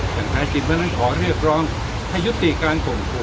อย่างแทนจิมขอเรียกร้องให้ยุติการปฐุ